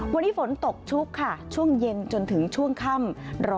วันนี้ฝนตกชุกค่ะช่วงเย็นจนถึงช่วงค่ำ